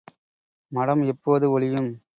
மடம் எப்போது ஒழியும்?